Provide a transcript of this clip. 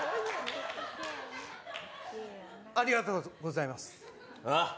ありがとうございます。